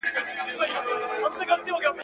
ګدایان ورته راتلل له هره ځایه ..